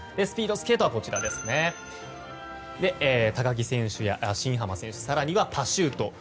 スピードスケートは高木選手、新濱選手更にはパシュート。